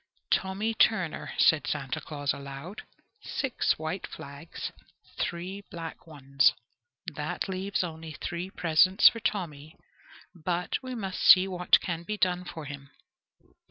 "Tommy Turner," said Santa Claus aloud, "six white flags, three black ones. That leaves only three presents for Tommy: but we must see what can be done for him."